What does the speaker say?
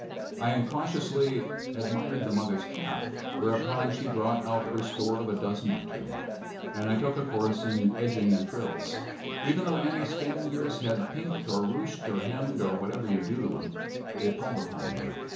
I incautiously admired the mother's cap, whereupon she brought out her store of a dozen or two, and I took a course in edgings and frills. Even though Annie's fingers had pinked, or ruched, or hemmed, or whatever you do to 'em, they palled upon me.